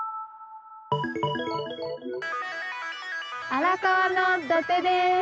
荒川の土手です！